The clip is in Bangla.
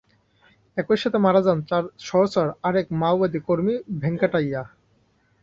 একই সাথে মারা যান তাঁর সহচর আরেক মাওবাদী কর্মী ভেঙ্কাটাইয়্যা।